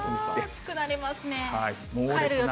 暑くなりますね。